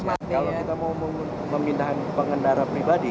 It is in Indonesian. kalau kita mau memindahkan pengendara pribadi